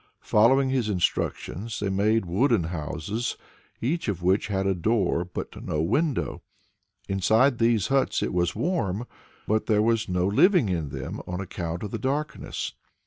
Following his instructions, they made wooden houses, each of which had a door but no window. Inside these huts it was warm; but there was no living in them, on account of the darkness.